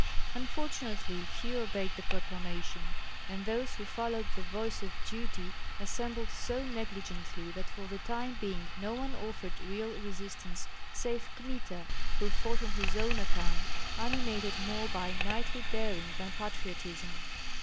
Unfortunately few obeyed the proclamation, and those who followed the voice of duty assembled so negligently that for the time being no one offered real resistance save Kmita, who fought on his own account, animated more by knightly daring than patriotism.